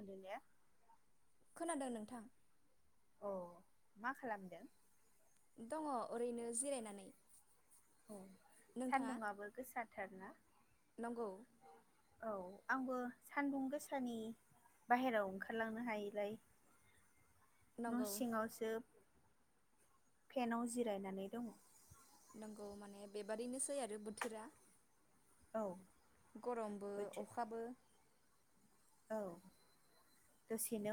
अदिलया खोनादों नोंथां। औ मा खालामदों? दङ ओरैनो जिरायनानै औ नोंथाङा सान्दुंआबो गोसा थारना नंगौ। आंबो सान्दुं गोसानि बाहेरायाव ओंखारलांनो हायिलाय न नंगौ सिङावसो फेनाव जिरायनानै दङ। नंगौ माने बेबादिनोसै आरो बोथोरा औ गरमबो बोथो अखाबो औ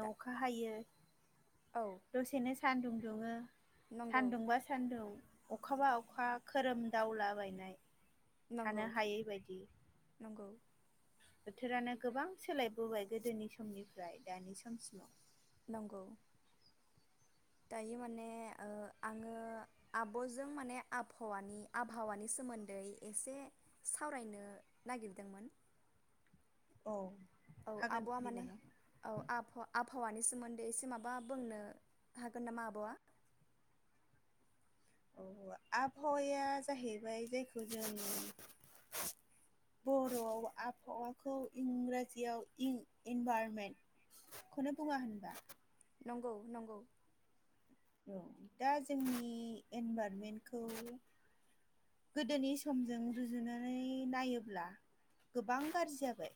दा अखा हायो। औ दसेनो सान्दुं दुङो। नंगौ सान्दुंबा सान्दुं अखाबा अखा खोरोमदावलाबायनाय। नंगौ थानो हायै बायदि। नंगौ बोथोरानो गोबां सोलायबोबाय गोदोनि समनिफ्राय दानि समसिम। नंगौ। दायो माने ओ आङो आबजों माने आबहावानि आबहावानि सोमोन्दै एसे सावरायनो नागिरदोंमोन। औ। औ हागोन अबवा माने बिनानाव औ आबहा आबहावानि सि। सोमोन्दै एसे माबा बुंनो हागोन नामा आबवा। औ आबहावाया जाहैबाय जायखौ जों बर'आव आबहावाखौ इंराजियाव इनभारमेन्टखौनो बुङा होनबा। नंगौ नंगौ। औ दा जोंनि इनभाररमेन्टखौ। गोदोनि समजों रुजुनानै नायोब्ला गोबां गाज्रि जाबाय।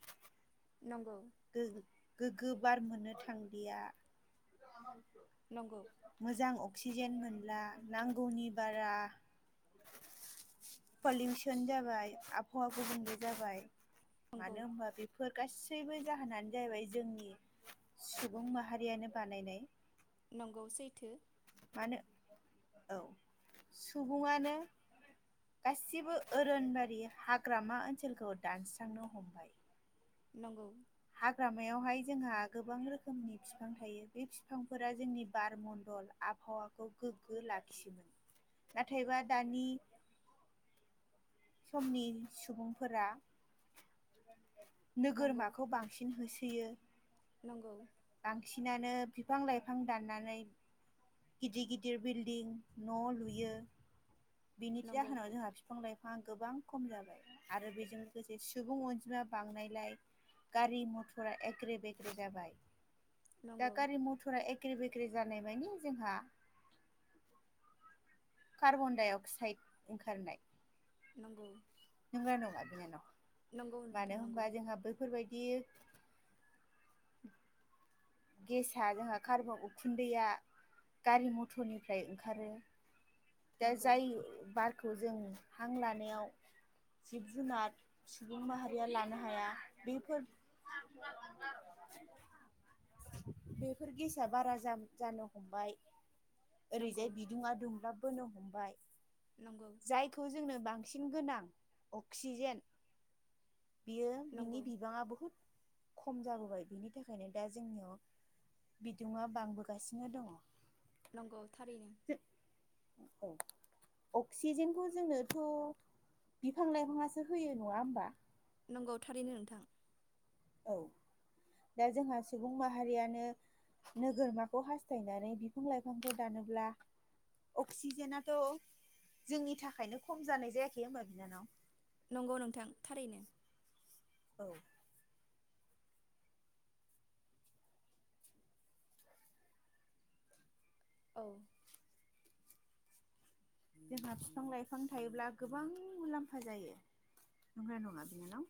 नंगौ गो-गोगोब बार मोननो थांलिया। नंगौ मोजां अक्सिजेन मोन ला नांगौनि बारा पलिउसन जाबाय आबहावा गुबुंले जाबाय। नंगौ मानो होनोमबा बेफोर गासैबो। जाहोनानो जाहैबाय जोंनि सुबुं माहारियानो। बानायनाय। नंगौ सैथो। मानो औ सुबुङानो गासिबो ओरोनबारि हाग्रामा ओनसोलखौ दानस्रांनो हमबाय। नंगौ। हाग्रामायावहाय जोंहा गोबां रोखोमनि फिफां थायो बे फिफांफोरा जोंनि बार मणडल आबहावाखौ गोग्गो लाखियोमोन नाथायबा दानि। समनि सुबुंफोरा। नंगौ नोगोरमाखौ बांसिन होसोयो। नंगौ। बांसिनानो फिफां लाइफां दाननानै। गिदिर गिदिर बिल्डिं न लुयो। बिनि नंगौ जाहोनाव जोंहा फिफां लाइफां। फिफाङा गोबां खम जाबाय आरो बेजों लोगोसे सुबुं अनजिमा बांनायलाय गारि मथरा एग्रे बेग्रे जाबाय। दा नंगौ गारि मटरा एग एग्रे बेग्रे जानाय मानि जोंहा कार्बन दाइ अक अक्साइड ओंखारनाय। नंगौ। ना नङा बिनानाव। नंगौ नोंथां मानो नंगौ होमबा जोंहा बैफोरबायदि। [inaudible] गेसा जोंहा कार्ब उखुन्दैया गारि मथरनिफ्राय ओंखारो। दा नंगौ जायो बारखौ। जों हां लानायाव जिब जुनार सुबुं माहारिया लानो हाया बेफोर बेफोर गेसा बारा जानो जानो हमबाय। नंगौ ओरैजाय बिदुङा दुंब्ला। बोनो हमबाय नंगौ जायखौ जोंनो बांसिन गोनां गोनां अक्सिजेन बियो नंगौ बिनि बिबाङा बहुद खम जाबोबाय बिनि थाखायनो दा जोंनियाव बिदुंआ बांबोगासिनो दङ। नंगौ थारैनो औ अक्सिजेनखौ जोंनोथ बिफां लाइफाङासो होयो नङा होमबा नंगौ थारैनो नोंथां औ दा जोंहा सुबुं माहारियानो नोगोरमाखौ हास्थायनानै बिफां लाइफांखौ दानोब्ला अक्सिजेेनाथ जोंनि थाखायनो खम जानाय जायाखै होनबा बिनानाव? नंगौ नोंथां थारैनो औ औ जोंहा बिफां लाइफां थायोब्ला गोबां मुलाम्फा जायो। नंगौना नंङा बिनानाव?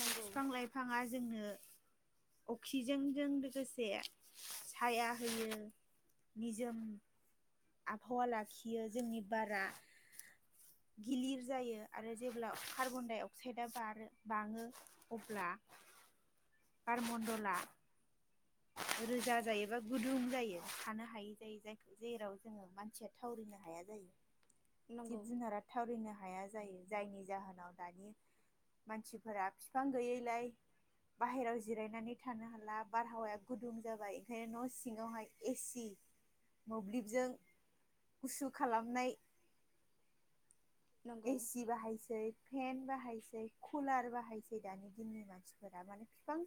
नंगौ लाइफाङा जोंनो अक्सिजोंजों लोगोसे साया होयो निजोम आबहावा लाखियो जोंनि बारा गिलिर जायो आरो जेब्ला कार्बन डाइ अक्साइदआ बारो बाङो अब्ला बारमन्दला रोजा जायोबा गुदुं जायो थानो हायै जायो जायखौ जेराव जोङो मानसिया थावरिनो हाया जायो। नंगौ जिब जुनारा थावरिनो हाया जायो। जायनि जाहोनाव दानि मानसिफोरा बिफां गैयैलाय बाहेरायाव जिरायनानै थानो हाला बारहावाया गुदुं जाबाय ओंखायनो न'सिङावहाय एसि मोब्लिबजों गुसु खालामनाय नंगौ एसि बाहायसै फेन बाहा हायसै कुलार बाहायसै दानि दिननि मानसिफोरा माने बिफां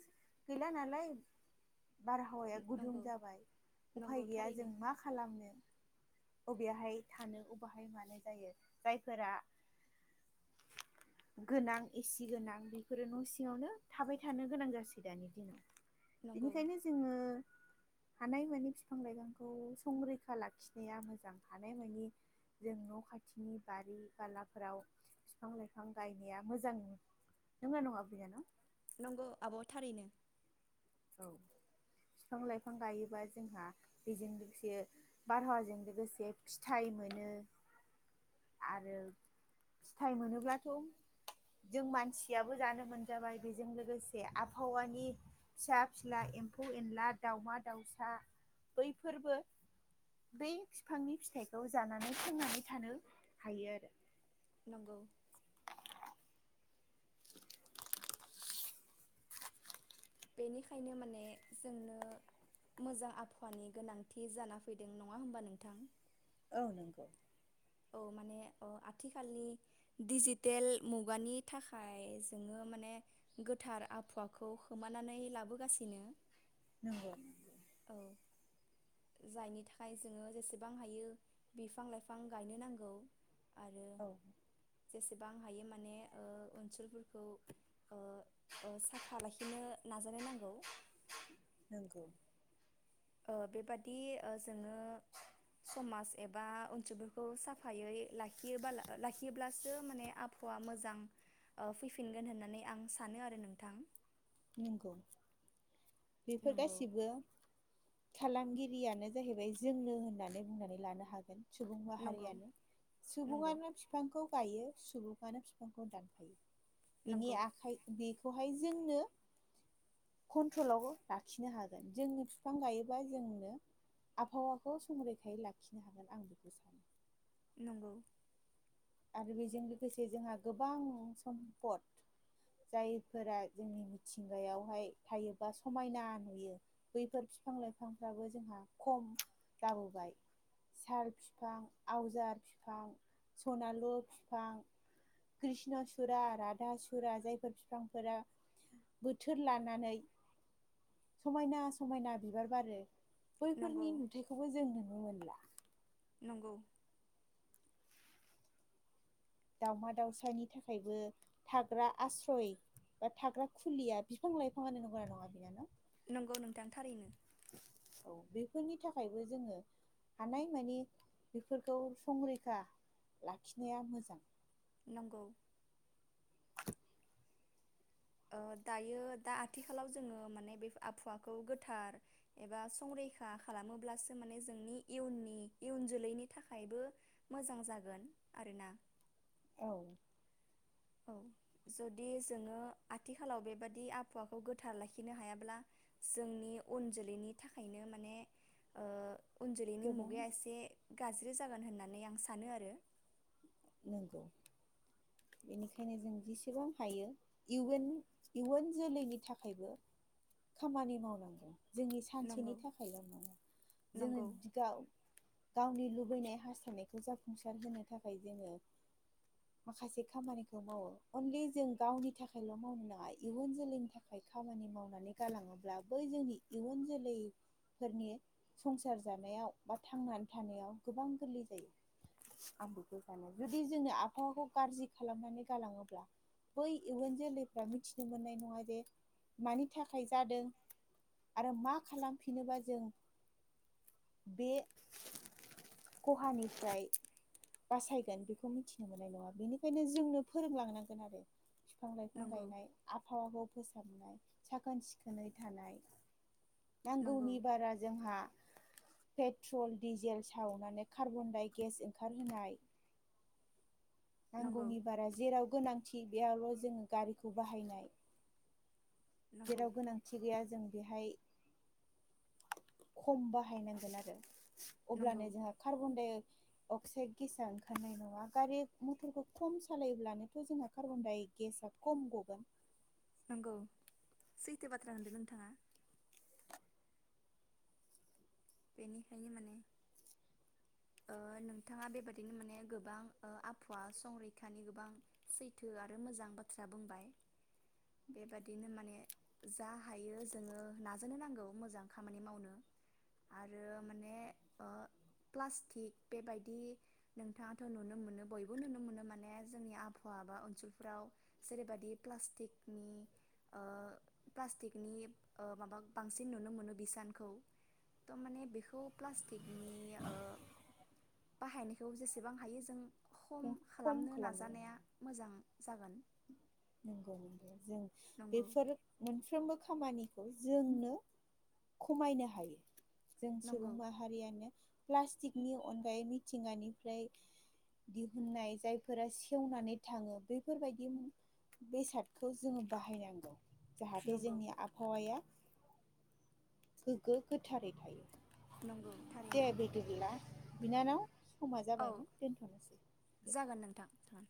गैला नालाय बारहावाया गुदुं नंगौ जाबाय नंगौ उफाय गैया थारैनो जों मा खालामनो बेहाय थानो अबेहाय मानो जायो जायफोरा गोनां एसि गोनां बेफोरो न' सिङावनो थाबाय थानो गोनां जासै दानि दिनाव। नंगौ बेनिखायनो जोङो हानायमानि बिफां लाइफांखौ संरैखा लाखिनाया मोजां हानायमानि जों न' खाथिनि बारि लाफोराव बिफां लाइफां गायनाया मोजां नंगोना नङा बिनानाव? नंगौ आब' थारैनो। औ औ बिफां लाइफां गायोबा जोंहा बेजों लोगोसे बारहावाजों लोगोसे फिथाइ मोनो आरो फिथाय मोनोब्लाथ जों मानसियाबो जानो मोनजाबाय बेजों लोगोसे आबहावानि फिसा फिला एम्फौ एनला दाावमा दाउसा बैफोरबो बै बिफांनि फिथाइखौ जानानै थांनानै थानो हायो आरो। नंगौ बेनिखायनो माने जोंनो मोजां आबहावानि गोनांथि जाना फैदों नङा होमबा नोंथां औ नंगौ औ माने अ आथिखालनि डिजिटेल मुगानि थाखाय जोङो माने गोथार आबहावाखौ खोमानानै लाबोगासिनो नंगौ औ जायनि थाखाय जोङो जेसेबां हायो बिफां लाइफां गायनो नांगौ। आरो औ जेसे बां हायो माने ओ ओनसोलफोरखौ ओ ओ साफा लाखिनो नाजानो नांगौ। नंगौ। ओ बेबादि ओ जोङो समाज एबा ओनसोलफोरखौ साफायै लाखियोबा ला लाखियोब्लासो माने आबहावा मोजां ओ फैफिनगोन होननानै आं सानो आरो नोंथां। नंगौ। बेफोर नंगौ गासिबो खालामगिरियानो जाहैबाय जोंनो होननानै बुंनानै लानो हागोन। सुबुं नंगौ माहारियानो नंगौ सुबुङानो फिफांखौ गायो सुबुङानो फिफांखौ दानफायो। बिनि नंगौ आखाइ बे खहाय जोंनो कन्ट्रलाव लाखिनो हागोन जोंनो बिफां गायोबा जोंनो आबहावाखौ संरैखायै लाखिनो हागोन आं बेखौ सानो। नंगौ। आरो बेजों लोगोसे जोंहा गोबां सम्पद जायफोरा जोंनि मिथिंगायावहाय थायोबा समायना नुयो बैफोर बिफां लाइफांफ्राबो जोंहा खम जाबोबाय साल फिफां आवजार फिफां सनालु फिफां कृष्ण सुरा राधा सुरा जायफोर फिफांफोरा बोथोर लानानै समायना समायना बिबार बारो नंगौ बैफोरनि नुथायखौबो जों नुनो मोनला। नंगौ। दावमा दाउसानि थाखायबो थाग्रा आस्रय बा थाग्रा खुलिया बिफां लाइफांआनो नंगौना नङा बिनानाव? नंगौ नोंथां थारैनो। औ बेफोरनि थाखायबो जोङो हानाय माने बेफोरखौ संरैखा लाखिनाया मोजां। नंगौ। ओ दायो दा आथिखालाव जोङो माने बे आबहावाखौ गोथार एबा संरैखा खालामोब्लासो माने जोंनि इयुननि इयुन जोलैनि थाखायबो मोजां जागोन आरोना। औ औ जुदि जोङो आथिखालाव बेबादि आबहावाखौ गोथार लाखिनो हायाब्ला जोंनि उन जोलैनि थाखायनो माने ओ उन जोलैनि गोबां मुगाया एसे गाज्रि जागोन होननानै आं सानो आरो। नंगौ बेनिखायनो जों जेसेबां हायो इयुन इयुन जोलैनि थाखायबो खामानि मावनांगौ। जोंनि सानसेनि नंगौ थाखायल नङा जोङो नंगौ दिगाव गावनि लुबैनाय हास्थायनायखौ जाफुंसार होनो थाखाय जोङो माखासे खामानिखौ मावो अनलि जों गावनि थाखायल मावनो नाङा इयुन जोलैनि थाखाय खामानि मावनानै गालाङोब्ला बै जोंनि इयुन जोलैफोरनि संसार जानायाव बा थांनानै थानायाव गोबां गोरलै जायो [unintelligible] [unintelligible] जुदि जोंनो आबहावाखौ गाज्रि खालामनानै गालाङोब्ला बै इयुन जोलैफ्रा मिथिनो मोननाय नङा जे मानि थाखाय जादों आरो मा खालामफिनोबा जों बे खहानिफ्राय बासायगोन बेखौ मिथिनो मोननाय नङा बेनिखायनो जोंनो फोरोंलांनांगोन आरो। फिफां लाइफां नंगौ गायनाय आबहावाखौ फोसाबनाय साखोन सिखोनै थानाय। नंगौ नांगौनि बारा जोंहा पेट्रल डिजेल सावनानै कार्बनदाइगेस ओंखारहोनाय नंगौ नांगौनि बारा जेराव गोनांथि बेयावल जोङो गारिखौ बाहायनाय नंगौ जेराव गोनांथि गैया जों बेहाय खम बाहायनांगोन आरो। नंगौ अब्लानो जोंहा कार्बन डाय अक्साइड गेसा ओंखारनाय नङा गारि मथरखौ खम सालायोब्लानोथ' जोंहा कार्बन डाइ गेसआ खम गगोन नंगौ सैथो बाथ्रा होनदों नोंथाङा। बेनिखायनो माने ओ नोंथाङा बेबादिनो माने गोबां आबहावा संरैखानि गोबां सैथो आरो मोजां बाथ्रा बुंबाय बेबादिनो माने जा हायो जोङो नाजानो नांगौ मोजां खामानि मावनो। आरो माने ओ प्लास्टिक बेबायदि नोंथाङाथ' नुनो मोनो बयबो नुनो मोनो माने जोंनि आबहावा बा ओनसोलफोराव जेरैबायदि ओ प्लास्टिकनि ओ प्लास्टिकनि माबा बांसिन नुनो मोनो बिसानखौ। थ माने बेखौ प्लास्टिकनि ओ बाहायनायखौ जेसेबां हायो जों खम खालामनो खालामनांगौ नाजानाया मोजां। जागोन नंगौ नंगौ जों नंगौ बेफोर मोनफ्रोमबो बे खामानिखौ जोंनो खमायनो हायो। जों सुबुं नंगौ माहारियानो प्लास्टिकनि अनगायै मिथिंगानिफ्राय दिहुननाय जायफोरा सेवनानै थाङो बेफोरबायदि। बेसादखौ जोङो बाहायनांगौ जाहाथे नंगौ जोंनि आबहावाया गोग्गो गोथारै थायो। नंगौ दे थारैनो बिदिब्ला। बिनानाव समा औ जाबायमोन दोनथ'नोसै दे। जागोन नोंथां जागोन